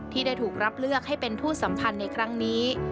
ที่ได้ถูกรับเลือกให้เป็นผู้สัมพันธ์ในครั้งนี้